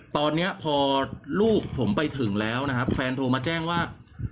ตอนนี้พอลูกผมไปถึงแล้วนะครับแฟนโทรมาแจ้งว่า